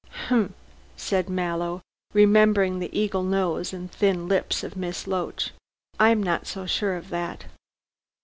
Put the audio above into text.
"Humph!" said Mallow, remembering the eagle nose and thin lips of Miss Loach. "I'm not so sure of that."